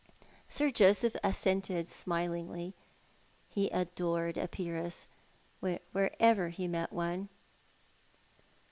Sir Joseph assented smilingly. He adored a peeress, wherever he met one.